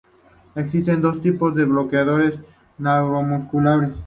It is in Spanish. Existen dos tipos de bloqueadores neuromusculares.